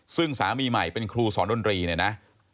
ซึ่งสามีใหม่เป็นครูสอนดนตรีเนี่ยนะ